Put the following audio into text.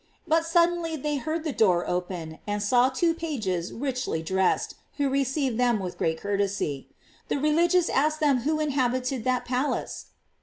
But suddenly they heard the door open, and saw two pages richly dressed, who received them with great courtesy. The religious asked them who inhabited that pal ace?